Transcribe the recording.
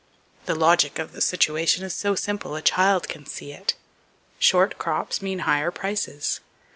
The logic of the situation is so simple a child can see it. Short crops mean higher prices.